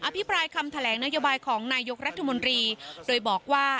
ภิปรายคำแถลงนโยบายของนายกรัฐมนตรีโดยบอกว่า